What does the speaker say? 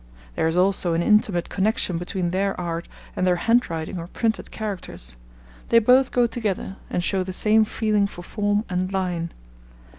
There is also an intimate connection between their art and their handwriting or printed characters. They both go together, and show the same feeling for form and line.